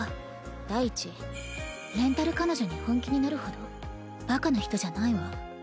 第一レンタル彼女に本気になるほどバカな人じゃないわ。